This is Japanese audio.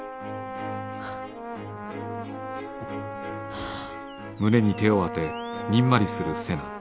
はあ！